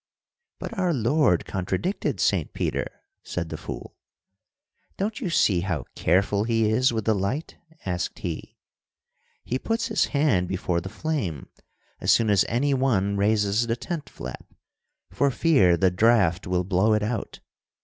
"But our Lord contradicted Saint Peter," said the fool. "'Don't you see how careful he is with the light?' asked He. 'He puts his hand before the flame as soon as any one raises the tent flap, for fear the draught will blow it out.